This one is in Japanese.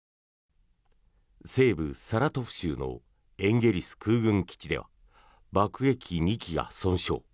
西部サラトフ州のエンゲリス空軍基地では爆撃機２機が損傷。